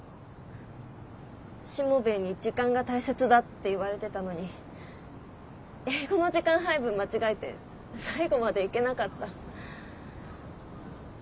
しもべえに時間が大切だって言われてたのに英語の時間配分間違えて最後までいけなかった。